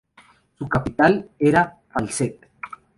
Su capital era Falset.